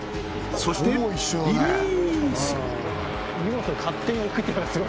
そしてリリース！